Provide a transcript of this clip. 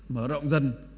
mở rộng dần